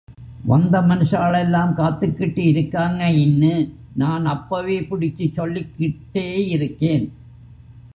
வந்த மனுசா ளெல்லாம் காத்துக்கிட்டு இருக்காங்க இன்னு, நான் அப்பவேபுடிச்சி சொல்லிக்கிட்டே இருக்கேன்.